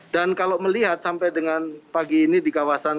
dan kalau melihat sampai dengan pagi ini di kawasan